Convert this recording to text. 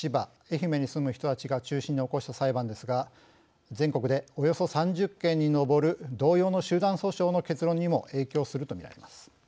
愛媛に住む人たちが中心に起こした裁判ですが全国でおよそ３０件に上る同様の集団訴訟の結論にも影響すると見られます。